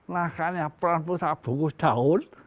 nah kan ya pramudia bungkus daun